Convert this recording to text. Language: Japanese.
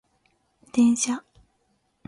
電車